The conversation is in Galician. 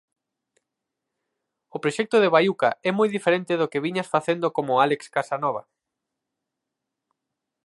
O proxecto de Baiuca é moi diferente do que viñas facendo como Álex Casanova.